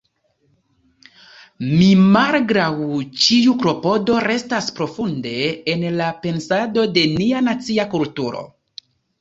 Mi malgraŭ ĉiu klopodo restas profunde en la pensado de nia nacia kulturo.